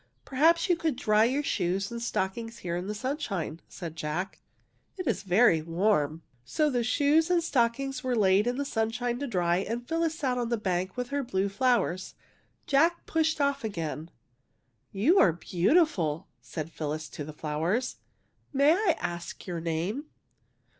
^' Perhaps you could dry your shoes and stockings here in the sunshine," said Jack. '' It is very warm." WITH WET FEET 143 So the shoes and stockings were laid in the sunshine to dry, and Phyllis sat on the bank with her blue flowers. Jack pushed off again. '' You are beautiful," said Phyllis to the flowers. " May I ask your name"?"